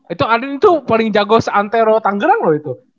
itu andin tuh paling jago seantero tanggerang loh itu